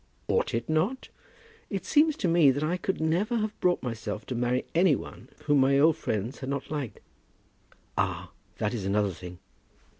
"Ought it not? It seems to me that I could never have brought myself to marry any one whom my old friends had not liked." "Ah! that is another thing."